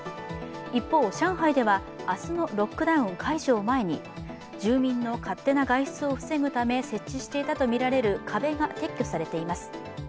一方、上海では明日のロックダウン解除を前に住民の勝手な外出を防ぐため設置していたとみられる壁が撤去されています。